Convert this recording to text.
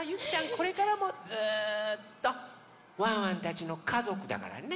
これからもずっとワンワンたちのかぞくだからね！